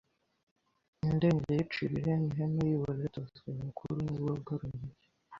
Indengeciro eri emeheme y’uburere etozwe ebekuru b’urugo runeke.